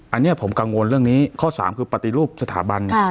อันนี้ผมกังวลเรื่องนี้ข้อ๓คือปฏิรูปสถาบัน